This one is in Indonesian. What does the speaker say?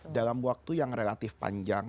dalam waktu yang relatif panjang